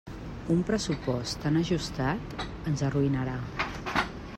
Un pressupost tan ajustat ens arruïnarà.